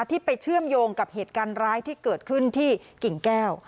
ที่ไปเชื่อมโยงกับเหตุการณ์ร้ายที่เกิดขึ้นที่กิ่งแก้ว